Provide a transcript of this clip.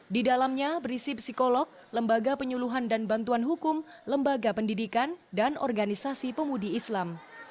di dalamnya berisi psikolog lembaga penyuluhan dan bantuan hukum lembaga pendidikan dan organisasi pemudi islam